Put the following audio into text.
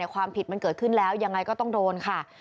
ความผิดมันเกิดขึ้นแล้วยังไงก็ต้องโดนค่ะ